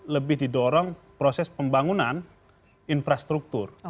lebih didorong proses pembangunan infrastruktur